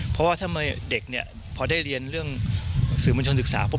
เพราะว่าถ้าเด็กพอได้เรียนเรื่องสื่อมนชนศึกษา